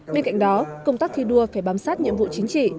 bên cạnh đó công tác thi đua phải bám sát nhiệm vụ chính trị